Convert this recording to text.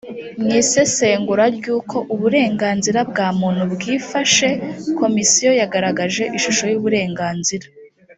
mu isesengura ry uko uburenganzira bwa muntu bwifashe komisiyo yagaragaje ishusho y uburenganzira